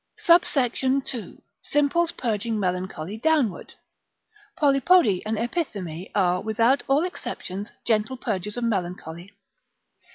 SUBSECT. II.—Simples purging Melancholy downward. Polypody and epithyme are, without all exceptions, gentle purgers of melancholy.